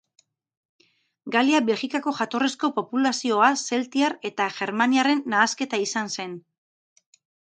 Galia Belgikako jatorrizko populazioa zeltiar eta germaniarren nahasketa izan zen.